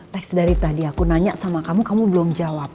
teks dari tadi aku nanya sama kamu kamu belum jawab